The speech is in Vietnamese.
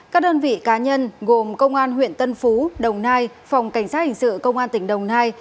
các đơn vị cá nhân gồm công an huyện tân phú đồng nai phòng cảnh sát hình sự công an tỉnh đồng nai